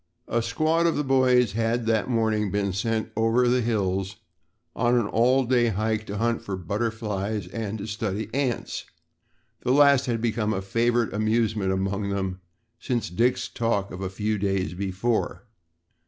A squad of the boys had that morning been sent over to the hills on an all day hike to hunt for butterflies and to study ants the last had become a favorite amusement among them since Dick's talk of a few days before.